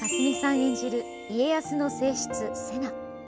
演じる家康の正室、瀬名。